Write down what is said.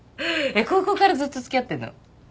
高校からずっと付き合ってるの？